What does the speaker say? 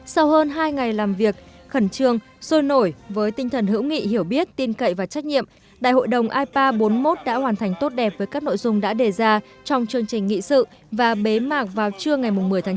sau hơn hai ngày làm việc khẩn trương sôi nổi với tinh thần hữu nghị hiểu biết tin cậy và trách nhiệm đại hội đồng ipa bốn mươi một đã hoàn thành tốt đẹp với các nội dung đã đề ra trong chương trình nghị sự và bế mạc vào trưa ngày một mươi tháng chín